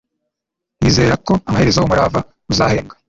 nizera ko amaherezo umurava uzahembwa